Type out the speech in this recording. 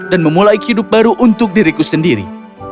dan memulai kehidupan baru untuk diriku sendiri